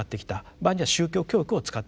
場合には宗教教育を使ってきた。